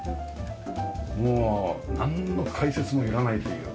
もうなんの解説もいらないというかね